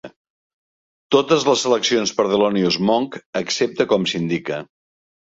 Totes les seleccions per Thelonious Monk excepte com s'indica.